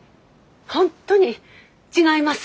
本当に違います。